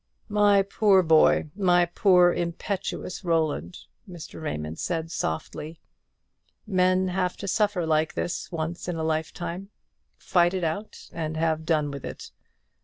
"My poor boy, my poor impetuous Roland," Mr. Raymond said, softly, "men have to suffer like this once in a lifetime. Fight it out, and have done with it.